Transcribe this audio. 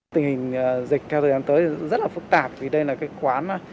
tình hình dịch theo thời gian tới rất là phức tạp thì đây là cái quán